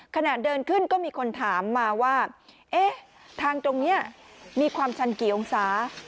ขณะเดินขึ้นก็มีคนถามมาว่าเอ๊ะทางตรงนี้มีความชันกี่องศา